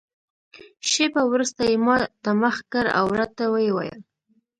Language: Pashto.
شېبه وروسته یې ما ته مخ کړ او راته ویې ویل.